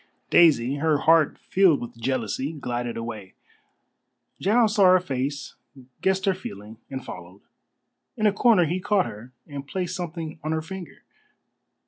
Daisy, her heart filled with jealousy, glided away. Giles saw her face, guessed her feeling, and followed. In a corner he caught her, and placed something on her finger.